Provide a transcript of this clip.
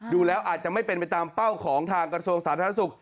ดูแล้วอาจจะไม่เป็นไปตามเป้าของทางกระทรวงสาธารณสุข